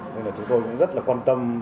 nên là chúng tôi cũng rất là quan tâm